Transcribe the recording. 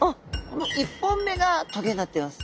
この１本目が棘になってます。